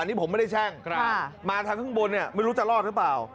อันนี้ผมไม่ได้แช่งมาทางข้างบนเนี่ยไม่รู้จะรอดหรือเปล่า